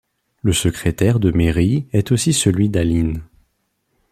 Le secrétaire de mairie est aussi celui d'Allín.